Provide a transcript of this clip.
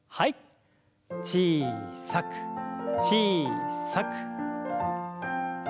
小さく小さく。